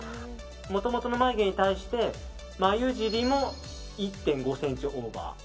もともとの眉毛に対して、眉尻も１．５ｃｍオーバー。